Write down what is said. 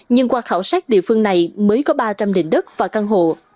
nhưng qua khảo sát địa phương này mới có ba trăm linh định đất và căn hộ